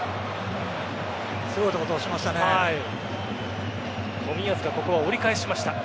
すごいところ通しましたね。